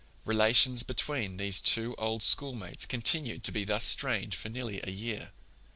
Relations between these two old schoolmates continued to be thus strained for nearly a year!